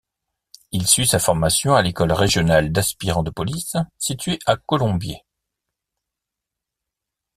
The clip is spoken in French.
Il suit sa formation à l'école régionale d'aspirants de police située à Colombier.